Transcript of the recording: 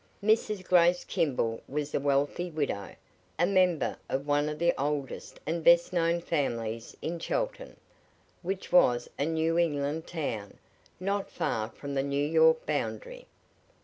Mrs. Grace Kimball was a wealthy widow, a member of one of the oldest and best known families in Chelton, which was a New England town, not far from the New York boundary.